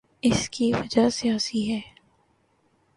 اس کی وجہ سیاسی ہے۔